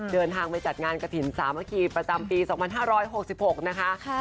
เดินทางไปจัดงานกระถิ่นสามัคคีประจำปี๒๕๖๖นะคะ